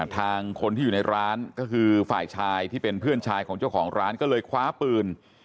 ทางคนที่อยู่ในร้านก็คือฝ่ายชายที่เป็นเพื่อนชายของเจ้าของร้านก็เลยคว้าปืน